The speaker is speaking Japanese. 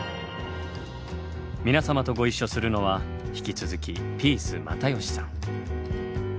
皆様とご一緒するのは引き続きピース又吉さん。